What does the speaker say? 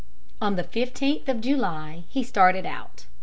On the 15th of July he started out.